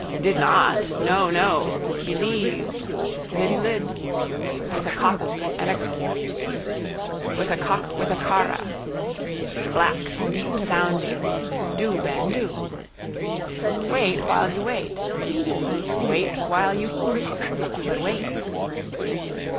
Did not: no, no: believe: Lidlyd. With a cock with a carra. Black. Deepsounding. Do, Ben, do. Wait while you wait. Hee hee. Wait while you hee. But wait!